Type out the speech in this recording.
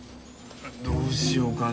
どうしようかな。